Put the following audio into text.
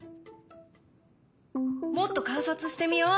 もっと観察してみよう。